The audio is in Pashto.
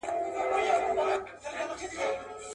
د ازل تقسيم باغوان يم پيدا کړی.